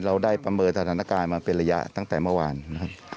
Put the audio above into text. เราได้ประเมินสถานการณ์มาเป็นระยะตั้งแต่เมื่อวานนะครับ